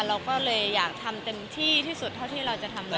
เราก็เลยอยากทำเต็มที่ที่สุดเท่าที่เราจะทำเลย